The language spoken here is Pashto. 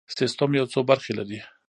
سیستم یو څو برخې لري.